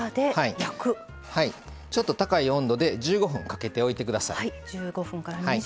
ちょっと高い温度で１５分かけておいてください。